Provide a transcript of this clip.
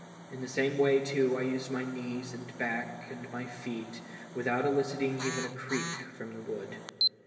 In the same way, too, I used my knees, my back, and my feet, with out eliciting even a creak from the wood.